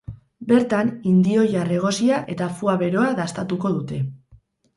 Bertan, indioilar egosia eta foie beroa dastatuko dute.